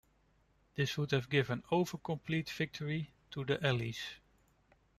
This would have given over complete victory to the Allies.